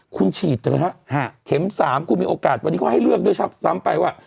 คุณฉีดเถอะฮะเข็ม๓คุณมีโอกาสวันนี้เขาให้เลือกด้วยซ้ำไปว่า